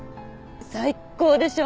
最っ高でしょ？